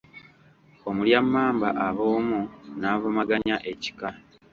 Omulya mmamba aba omu n'avumaganya ekika.